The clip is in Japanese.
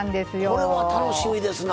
これは楽しみですな。